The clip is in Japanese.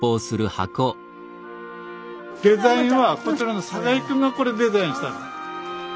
デザインはこちらの栄くんがこれデザインしたの。